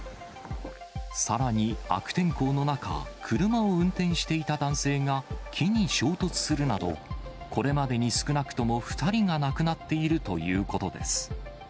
さらに悪天候の中、車を運転していた男性が木に衝突するなど、これまでに少なくとも２人が亡くなっているということです。